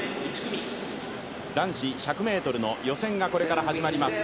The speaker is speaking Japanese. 男子１００ｍの予選がこれから始まります。